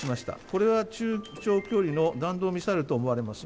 これは、中長距離の弾道ミサイルとみられます。